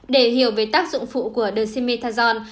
để hiểu về tác dụng phụ của dexamethasone